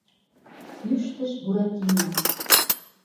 — кӱштыш Буратино.